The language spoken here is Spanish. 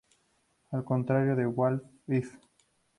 Al contrario de "What If...?